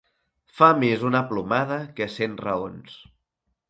Fa més una plomada que cent raons.